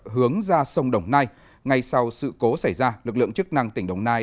hướng ra sông đồng nai ngay sau sự cố xảy ra lực lượng chức năng tỉnh đồng nai